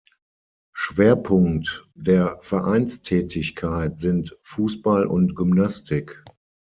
Schwerpunkt der Vereinstätigkeit sind Fußball und Gymnastik.